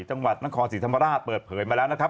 หลังจากจังหวัดนครศิสตร์ธรรมดาเปิดเผยมาแล้วนะครับ